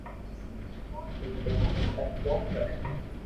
تو ڪو مني تنگ ڪو ڪري ھي